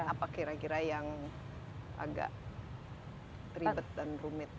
apa kira kira yang agak ribet dan rumit